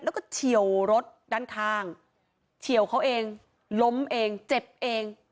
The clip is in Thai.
แล้วก็เฉียวรถด้านข้างเฉียวเขาเองล้มเองเจ็บเอง